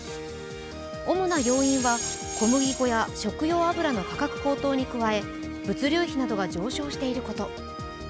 主な要因は、小麦粉や食用油の価格高騰に加え、物流費などが上昇していること。